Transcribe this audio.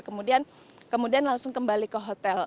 kemudian langsung kembali ke hotel